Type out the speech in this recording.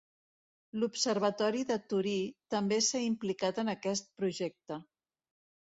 L'Observatori de Torí també s'ha implicat en aquest projecte.